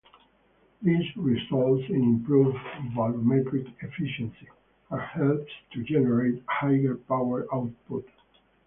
This results in improved volumetric efficiency and helps to generate higher power output.